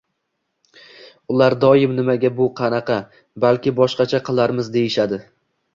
Ular doim nimaga bu bunaqa, balki boshqacha qilarmiz, deyishadi.